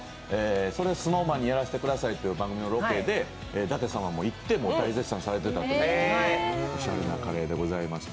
「それＳｎｏｗＭａｎにやらせて下さい」という番組のロケで舘様も行って大絶賛されていたというおしゃれなカレーでございます。